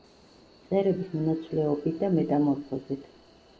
მწერების მონაცვლეობით და მეტამორფოზით.